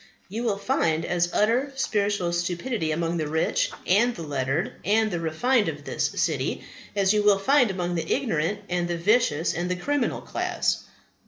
You will find as utter spiritual stupidity among the rich and the lettered and the refined of this city as you will find among the ignorant and the vicious and the criminal classes.